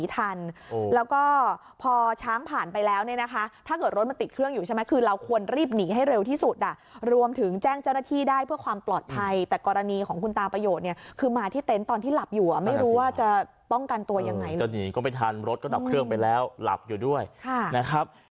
แต่กรณีของคุณตาประโยชน์เนี่ยคือมาที่เต็นต์ตอนที่หลับอยู่อ่ะไม่รู้ว่าจะป้องกันตัวยังไงจะหนีก็ไม่ทันรถก็ดับเครื่องไปแล้วหลับอยู่ด้วยนะครับ